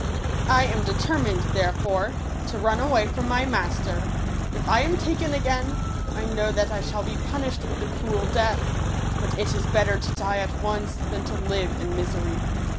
I am determined, therefore, to run away from my master ; if I am taken again, I know that I shall be punished with a ygoy i mu hi. i cruel death; but it is better to die at once than to live in misery.